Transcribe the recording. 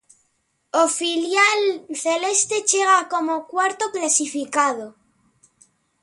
O filial celeste chega como cuarto clasificado.